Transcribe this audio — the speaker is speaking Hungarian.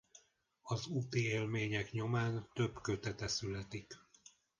Az úti élmények nyomán több kötete születik.